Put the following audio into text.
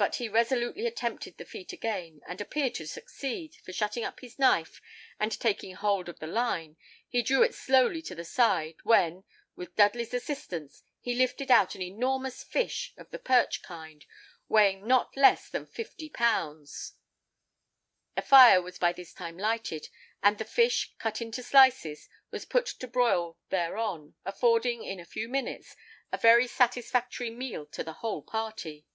but he resolutely attempted the feat again, and appeared to succeed, for shutting up his knife, and taking hold of the line, he drew it slowly to the side, when, with Dudley's assistance, he lifted out an enormous fish of the perch kind, weighing not less than fifty pounds. A fire was by this time lighted; and the fish, cut into slices, was put to broil thereon, affording, in a few minutes, a very satisfactory meal to the whole party.